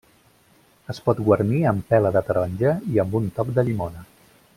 Es pot guarnir amb pela de taronja i amb un toc de llimona.